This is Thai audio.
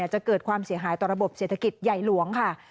จะเกิดความเสียหายต่อระบบเศรษฐกิจใหญ่หลวงค่ะ